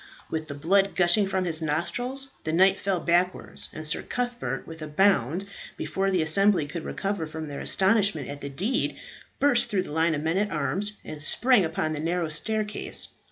With the blood gushing from his nostrils, the knight fell backwards, and Sir Cuthbert, with a bound, before the assembly could recover from their astonishment at the deed, burst through the line of men at arms, and sprang up the narrow staircase.